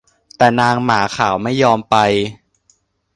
แต่นางหมาขาวไม่ยอมไป